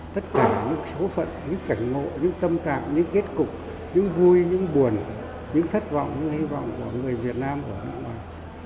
tất cả những số phận những cảnh ngộ những tâm trạng những kết cục những vui những buồn những thất vọng những hy vọng của người việt nam ở nước ngoài